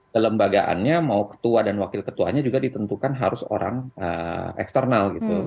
kelembagaannya mau ketua dan wakil ketuanya juga ditentukan harus orang eksternal gitu